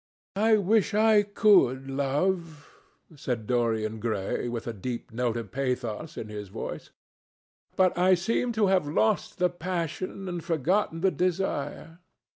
"I wish I could love," cried Dorian Gray with a deep note of pathos in his voice. "But I seem to have lost the passion and forgotten the desire.